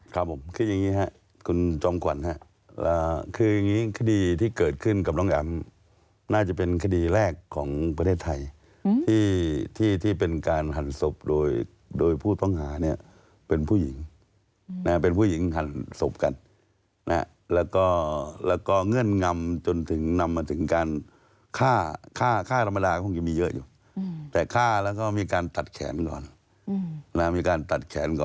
ครับผมคืออย่างนี้ครับคุณจอมขวัญครับคืออย่างนี้คดีที่เกิดขึ้นกับน้องแอมน่าจะเป็นคดีแรกของประเทศไทยที่เป็นการหั่นศพโดยโดยผู้ต้องหาเนี่ยเป็นผู้หญิงเป็นผู้หญิงหันศพกันนะแล้วก็เงื่อนงำจนถึงนำมาถึงการฆ่าฆ่าธรรมดาก็คงจะมีเยอะอยู่แต่ฆ่าแล้วก็มีการตัดแขนก่อนนะมีการตัดแขนก่อน